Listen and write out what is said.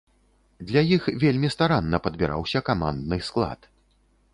Для іх вельмі старанна падбіраўся камандны склад.